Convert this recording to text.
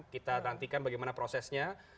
kita nantikan bagaimana prosesnya